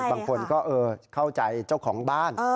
บางคนก็เข้าใจเจ้าของบ้าน